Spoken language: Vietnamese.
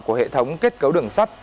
của hệ thống kết cấu đường sắt